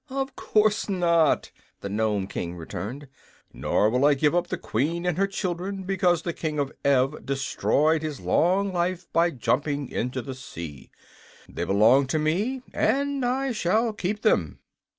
"Of course not," the Nome King returned. "Nor will I give up the Queen and her children because the King of Ev destroyed his long life by jumping into the sea. They belong to me and I shall keep them."